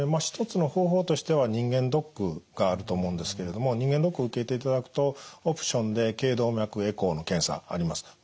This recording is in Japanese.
一つの方法としては人間ドックがあると思うんですけれども人間ドックを受けていただくとオプションで頸動脈エコーの検査あります。